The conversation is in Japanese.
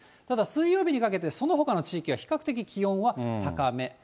ただ水曜日にかけてそのほかの地域は、比較的気温は高め。